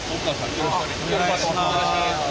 よろしくお願いします。